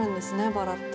バラって。